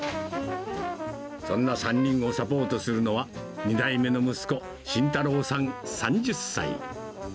そんな３人をサポートするのは、２代目の息子、慎太郎さん３０歳。